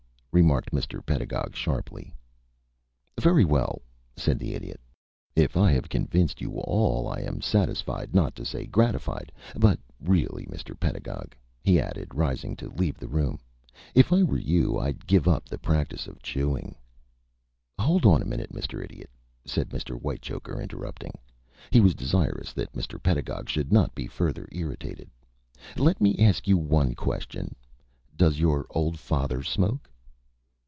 remarked Mr. Pedagog, sharply. "Very well," said the Idiot. "If I have convinced you all I am satisfied, not to say gratified. But really, Mr. Pedagog," he added, rising to leave the room, "if I were you I'd give up the practice of chewing " "Hold on a minute, Mr. Idiot," said Mr. Whitechoker, interrupting. He was desirous that Mr. Pedagog should not be further irritated. "Let me ask you one question. Does your old father smoke?"